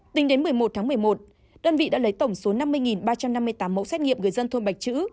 tính đến một mươi một tháng một mươi một đơn vị đã lấy tổng số năm mươi ba trăm năm mươi tám mẫu xét nghiệm người dân thôn bạch chữ